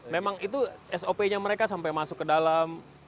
memang itu sop nya mereka sampai masuk ke dalam